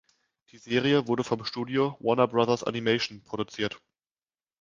Die Serie wurde vom Studio Warner Brothers Animation produziert.